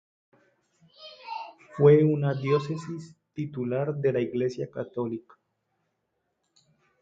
Fue una diócesis titular de la Iglesia católica.